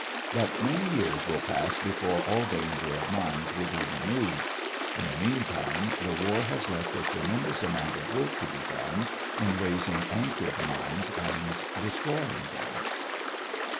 But many years will pass before all danger of mines will be removed. In the meantime, the war has left a tremendous amount of work to be done in raising anchored mines and destroying them.